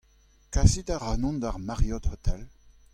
Kasit ac'hanon d'ar Mariott Hotel.